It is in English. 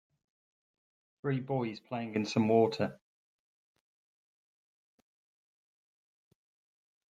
Three boys playing in some water.